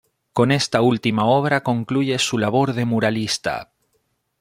Con esta última obra concluye su labor de muralista.